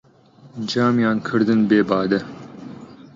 جامیان کردن بێ بادە